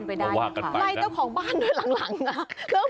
ไล่เจ้าของบ้านด้วยหลังนะ